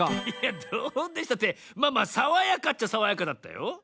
いやどうでしたってまあまあさわやかっちゃさわやかだったよ。